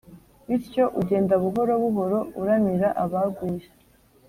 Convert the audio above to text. Bityo ugenda buhoro buhoro uramira abaguye,